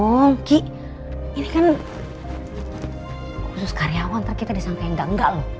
udah dong kiki ini kan khusus karyawan ntar kita disangkanya enggak enggak loh